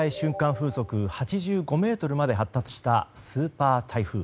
風速８５メートルまで発達したスーパー台風。